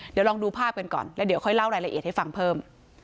เดี๋ยวลองดูภาพกันก่อนแล้วเดี๋ยวค่อยเล่ารายละเอียดให้ฟังเพิ่ม